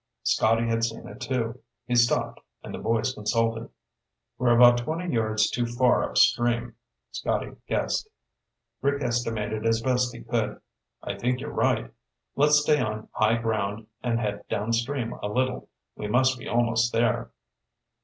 Scotty had seen it, too. He stopped and the boys consulted. "We're about twenty yards too far upstream," Scotty guessed. Rick estimated as best he could. "I think you're right. Let's stay on high ground and head downstream a little. We must be almost there."